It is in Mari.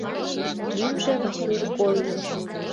— Лӱмжӧ Васюш гойо...